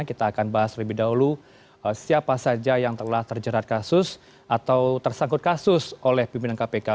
kita akan bahas lebih dahulu siapa saja yang telah terjerat kasus atau tersangkut kasus oleh pimpinan kpk